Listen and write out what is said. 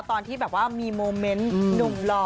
ตอนที่มีโมเมนต์หนุ่มหล่อ